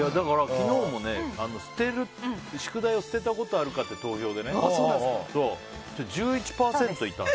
昨日も宿題を捨てたことあるかっていう投票で１１％いたの。